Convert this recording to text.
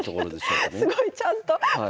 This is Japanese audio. すごい！ちゃんと。